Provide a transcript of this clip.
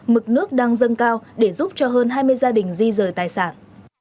mực nước đang dâng cao để giúp cho hơn hai mươi gia đình di rời tài sản